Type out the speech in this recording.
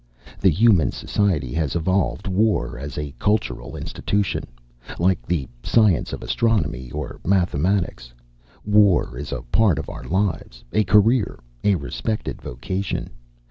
The human society has evolved war as a cultural institution, like the science of astronomy, or mathematics. War is a part of our lives, a career, a respected vocation.